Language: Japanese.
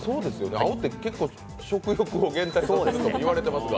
青って結構、食欲を減退させると言われておりますが。